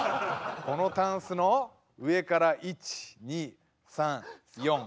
このタンスの上から１２３４５。